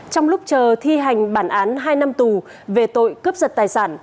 trong lúc chờ thi hành bản án hai năm tù về tội cướp giật tài sản